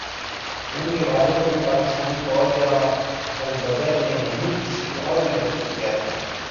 ان کے والد کو بھی پاکستانی فوج یا البدر نے نہیں، کسی اور نے قتل کیا تھا۔